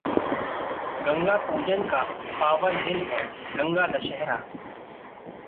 गंगा पूजन का पावन दिन है गंगा दशहरा...